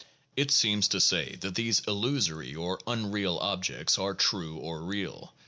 It seems to say that these illusory or unreal objects are true or real.